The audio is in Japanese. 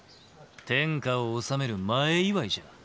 天下を治める前祝いじゃ！